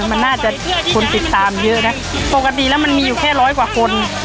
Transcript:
มันน่าจะคนติดตามเยอะนะปกติแล้วมันมีอยู่แค่ร้อยกว่าคน